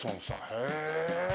へえ。